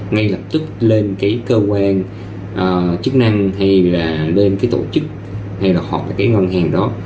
ngay lập tức lên cái cơ quan chức năng hay là lên cái tổ chức hay là họp với cái ngân hàng đó